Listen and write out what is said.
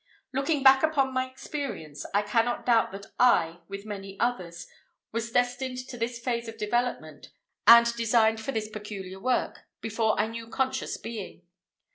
Looking back upon my experience, I cannot doubt that I with many others was destined to this phase of development, and designed for this peculiar work, before I knew conscious being.